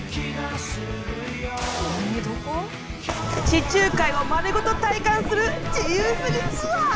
地中海を丸ごと体感する自由すぎツアー！